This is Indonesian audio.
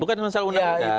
bukan masalah undang undang